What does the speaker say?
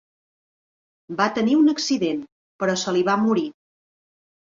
Va tenir un accident, però se li va morir.